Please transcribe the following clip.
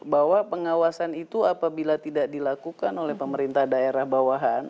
bahwa pengawasan itu apabila tidak dilakukan oleh pemerintah daerah bawahan